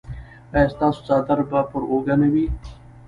ایا ستاسو څادر به پر اوږه نه وي؟